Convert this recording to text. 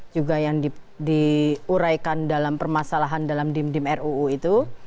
juga yang diuraikan dalam permasalahan dalam dim dim ruu itu